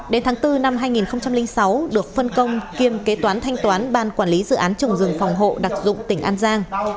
đến tháng bốn năm hai nghìn sáu được phân công kiêm kế toán thanh toán ban quản lý dự án trồng rừng phòng hộ đặc dụng tỉnh an giang